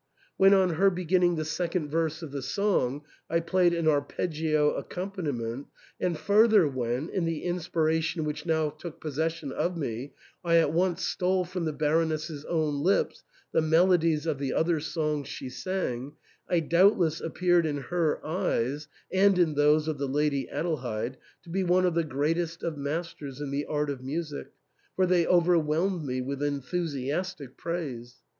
'" When, on her beginning the second verse of the song, I played an arpeggio accompaniment, and further when, in the in spiration which now took possession of me, I at once stole from the Baroness's own lips the melodies of the other songs she sang, I doubtless appeared in her eyes, and in those of the Lady Adelheid, to be one of the greatest of masters in the art of music, for they over whelmed me with enthusiastic praise.